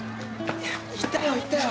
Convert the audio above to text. いたよいたよ。